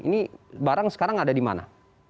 ini barang sekarang ada di mana